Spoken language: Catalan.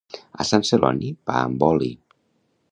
A Sant Celoni pa amb oli